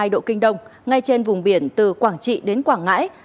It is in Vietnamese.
một trăm linh chín hai độ kinh đông ngay trên vùng biển từ quảng trị đến quảng ngãi